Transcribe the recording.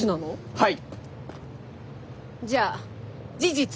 はい！